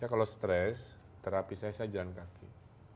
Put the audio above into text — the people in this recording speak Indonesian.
saya kalau stress terapi saya jalan kaki